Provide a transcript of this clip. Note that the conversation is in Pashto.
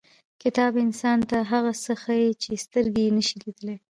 • کتاب انسان ته هغه څه ښیي چې سترګې یې نشي لیدلی.